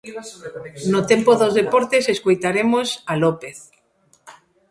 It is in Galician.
No tempo dos deportes escoitaremos a López.